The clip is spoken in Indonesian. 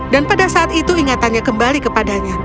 dan pada saat itu ingatannya kembali kepadanya